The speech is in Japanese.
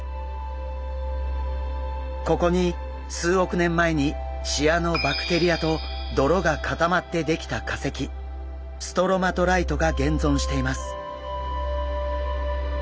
ここに数億年前にシアノバクテリアと泥が固まってできた化石ストロマトライトが現存しています。